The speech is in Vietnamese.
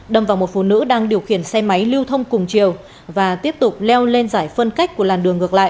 đâm vào một phụ nữ đang điều khiển xe máy lưu thông cùng chiều và tiếp tục leo lên giải phân cách của làn đường ngược lại